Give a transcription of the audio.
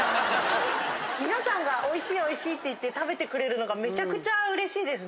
皆さんがおいしいおいしいって言って食べてくれるのがめちゃくちゃ嬉しいですね。